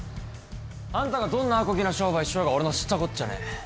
あんたがどんなアコギな商売しようが俺の知ったこっちゃねえ。